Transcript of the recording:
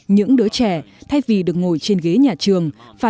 những đứa trẻ thay vì được ngồi trên ghế nhà trường